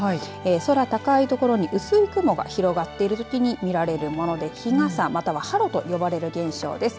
空高い所に薄い雲が広がっているときに見られるもので日傘または波浪と呼ばれる現象です。